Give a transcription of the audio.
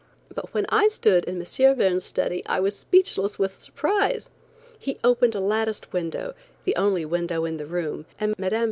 But when I stood in M. Verne's study I was speechless with surprise. He opened a latticed window, the only window in the room, and Mme.